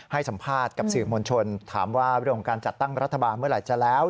ให้สัมภาษณ์กับสื่อมวลชนถามว่าเรื่องของการจัดตั้งรัฐบาลเมื่อไหร่จะแล้ว